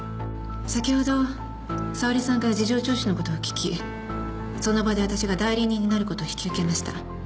先ほど沙織さんから事情聴取の事を聞きその場で私が代理人になる事を引き受けました。